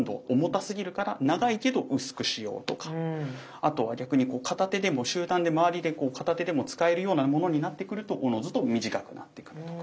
あとは逆に片手でも集団で周りでこう片手でも使えるようなものになってくるとおのずと短くなってくるとか。